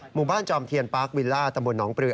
หมู่บ้านจอมเทียนปาร์ควิลล่าตมหนองปลือ